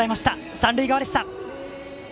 三塁側でした。